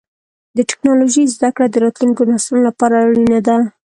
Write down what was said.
د ټکنالوجۍ زدهکړه د راتلونکو نسلونو لپاره اړینه ده.